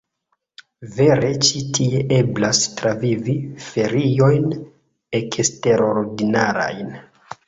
Vere ĉi tie eblas travivi feriojn eksterordinarajn!